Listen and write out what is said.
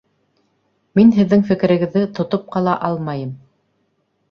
Мин һеҙҙең фекерегеҙҙе тотоп ҡала алмайым